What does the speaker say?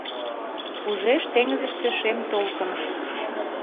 Ужеш, теҥызыште — шем толкын: